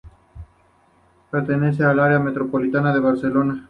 Pertenece al Área metropolitana de Barcelona.